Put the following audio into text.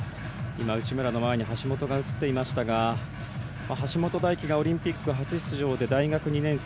内村の前に橋本が映っていましたが橋本大輝がオリンピック初出場で大学２年生。